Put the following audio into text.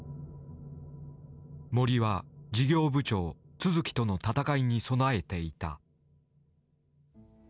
森は事業部長都築との闘いに備えていた。